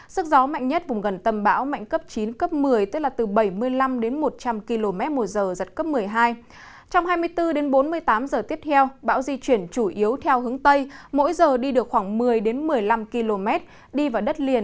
xin chào và hẹn gặp lại